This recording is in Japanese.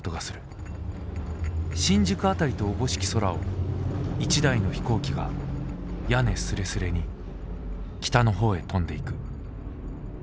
新宿当たりとおぼしき空を一台の飛行機が屋根すれすれに北の方へ飛んで行く」。